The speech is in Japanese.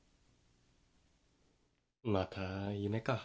また夢か。